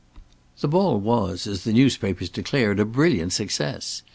The ball was, as the newspapers declared, a brilliant success.